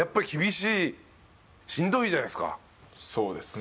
そうですね。